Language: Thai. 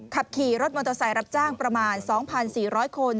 ขับขี่รถมอเตอร์ไซค์รับจ้างประมาณ๒๔๐๐คน